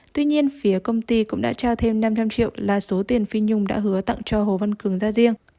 tuy nhiên phía công ty cũng đã trao thêm năm trăm linh triệu là số tiền phi nhung đã hứa tặng cho hồ văn cường ra riêng